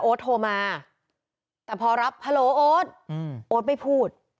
โอ๊ดโทรมาแต่พอรับฮัลโหลโอ๊ดอืมโอ๊ดไม่พูด